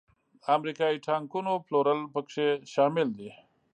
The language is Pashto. امریکایي ټانکونو پلورل پکې شامل دي.